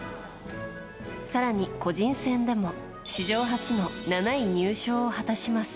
更に個人戦でも史上初の７位入賞を果たします。